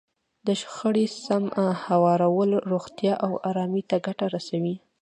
د شخړې سم هوارول روغتیا او ارامۍ ته ګټه رسوي.